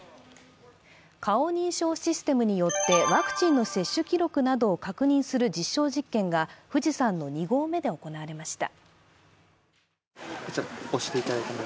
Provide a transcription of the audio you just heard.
顔認証システムによってワクチンの接種記録などを確認する実証実験が富士山の２合目で行われました。